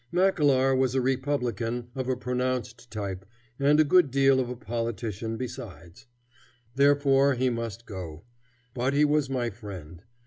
Mackellar was a Republican of a pronounced type and a good deal of a politician besides. Therefore he must go. But he was my friend.